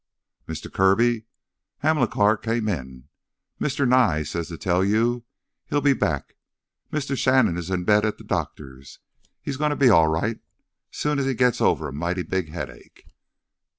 "Mistuh Kirby—" Hamilcar came in. "Mistuh Nye says to tell you he'll be back. Mistuh Shannon's in bed at th' doctuh's; he's gonna be all right soon's he gets ovah a mighty big headache."